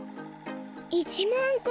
１まんこ！